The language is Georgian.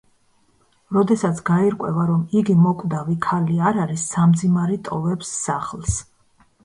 როდესაც გაირკვევა, რომ იგი მოკვდავი ქალი არ არის, სამძიმარი ტოვებს სახლს.